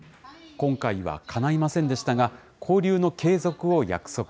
今回はかないませんでしたが、交流の継続を約束。